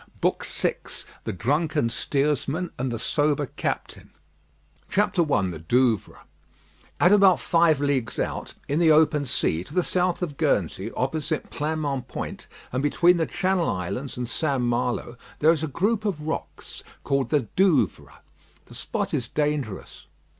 BOOK VI THE DRUNKEN STEERSMAN AND THE SOBER CAPTAIN I THE DOUVRES At about five leagues out, in the open sea, to the south of Guernsey, opposite Pleinmont Point, and between the Channel Islands and St. Malo, there is a group of rocks, called the Douvres. The spot is dangerous.